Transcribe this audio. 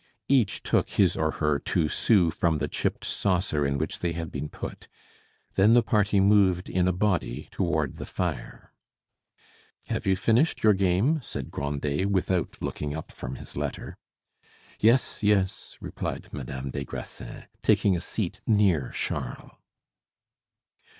Each took his or her two sous from the chipped saucer in which they had been put; then the party moved in a body toward the fire. "Have you finished your game?" said Grandet, without looking up from his letter. "Yes, yes!" replied Madame des Grassins, taking a seat near Charles.